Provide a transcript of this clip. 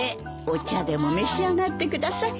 お茶でも召し上がってください。